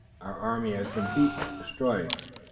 Our army has been beaten, destroyed.